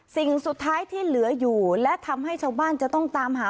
สิ่งสุดท้ายที่เหลืออยู่และทำให้ชาวบ้านจะต้องตามหา